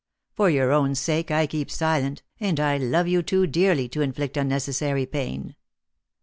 For your own sake I keep silent, and I love you too dearly to inflict unnecessary pain."